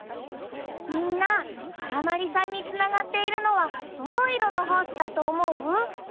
みんなからまりさんにつながっているのはどのいろのホースだとおもう？